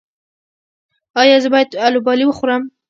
ایا زه باید الوبالو وخورم؟